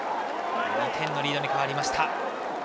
２点のリードに変わりました。